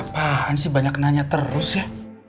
apaan sih banyak nanya terus ya